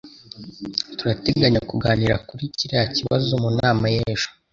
Turateganya kuganira kuri kiriya kibazo mu nama y'ejo.